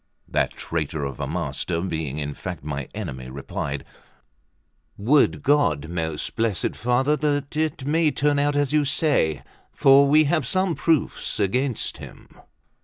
That traitor of a master, being in fact my enemy, replied: "Would God, most blessed Father, that it may turn out as you say; for we have some proofs against him."